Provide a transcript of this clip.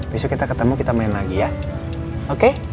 besok kita ketemu kita main lagi ya oke